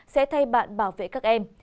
sẽ thay bạn bảo vệ các em